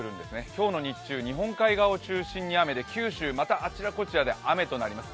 今日の日中日本海側を中心に雨で九州またあちらこちらで雨となります。